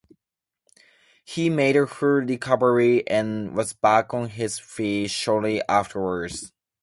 He made a full recovery and was back on his feet shortly afterwards.